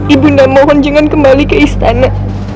ibu nang mohon jangan kembali ke istana